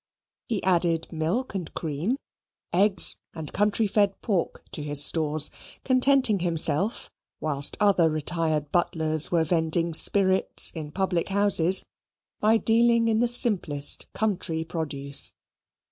He added milk and cream, eggs and country fed pork to his stores, contenting himself whilst other retired butlers were vending spirits in public houses, by dealing in the simplest country produce.